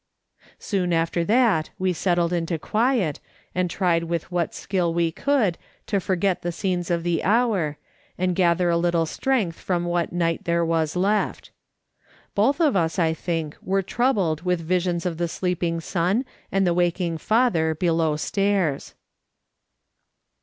Soon after that we settled into quiet, and tried with what skill we could to forget the scenes of the 235 A/^'S. SOLOMON SMITH LOOKING ON. liour, and gather a little strength from what night there was left. Both of us, I think, were troubled with visions of the sleeping son and the waking father below stairs.